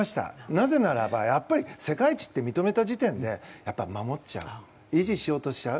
なぜならば、やっぱり世界一って認めた時点で守っちゃう維持しようとしちゃう。